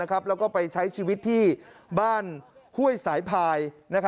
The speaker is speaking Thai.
แล้วก็ไปใช้ชีวิตที่บ้านห้วยสายพาย